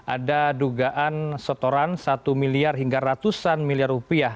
ada dugaan setoran satu miliar hingga seratus miliar